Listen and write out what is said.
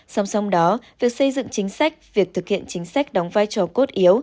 song song đó việc xây dựng chính sách việc thực hiện chính sách đóng vai trò cốt yếu